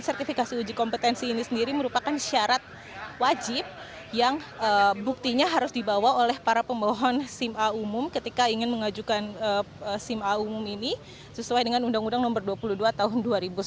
sertifikasi uji kompetensi ini sendiri merupakan syarat wajib yang buktinya harus dibawa oleh para pemohon sim a umum ketika ingin mengajukan sim a umum ini sesuai dengan undang undang nomor dua puluh dua tahun dua ribu sembilan belas